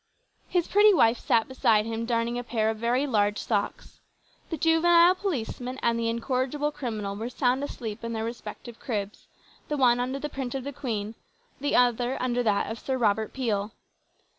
His pretty wife sat beside him darning a pair of very large socks. The juvenile policeman, and the incorrigible criminal were sound asleep in their respective cribs, the one under the print of the Queen, the other under that of Sir Robert Peel.